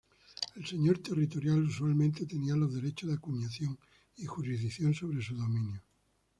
El señor territorial usualmente tenía los derechos de acuñación y jurisdicción sobre su dominio.